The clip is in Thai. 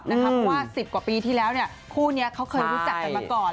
เพราะว่า๑๐กว่าปีที่แล้วคู่นี้เขาเคยรู้จักกันมาก่อน